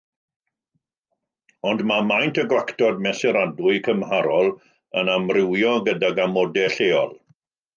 Ond mae maint y gwactod mesuradwy cymharol yn amrywio gydag amodau lleol.